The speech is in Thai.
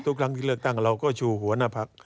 ทุกครั้งที่เลือกตั้งเราก็ชูหัวหน้าพัก